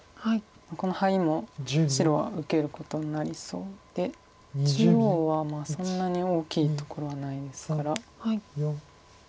このハイも白は受けることになりそうで中央はそんなに大きいところはないですから。